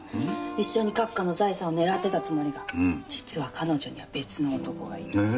一緒に閣下の財産を狙ってたつもりが実は彼女には別の男がいた。